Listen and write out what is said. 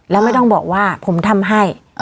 แล้วไม่ต้องบอกว่าผมทำให้